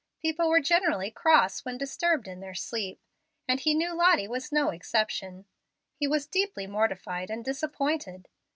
People were generally cross when disturbed in their sleep; and he knew Lottie was no exception. He was deeply mortified and disappointed.